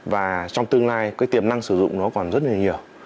và trong tương lai cái tiềm năng sử dụng nó còn rất là nhiều